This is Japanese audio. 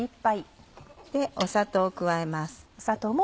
砂糖を加えます。